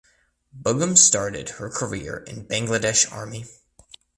Begum started her career in Bangladesh Army.